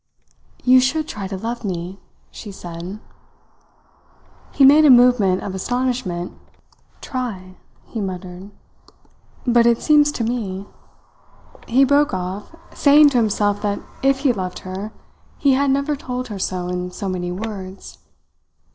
"You should try to love me!" she said. He made a movement of astonishment. "Try," he muttered. "But it seems to me " He broke off, saying to himself that if he loved her, he had never told her so in so many words.